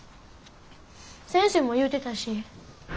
先生も言うてたし。